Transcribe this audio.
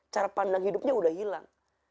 cara pandang hidupnya udah hilang